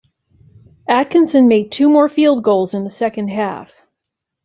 Atkinson made two more field goals in the second half.